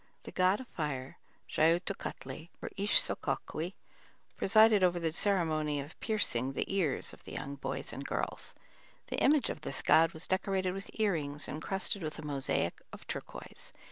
The god of fire, Xiuhtecutli, or Ixçocauhqui, presided over the ceremony of piercing the ears of the young boys and girls. The image of this god was decorated with ear rings encrusted with a mosaic of turquoise.